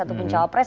ataupun jawa pres